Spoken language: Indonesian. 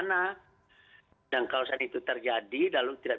pencurian penggarungan pembegalan akan terjadi di masyarakat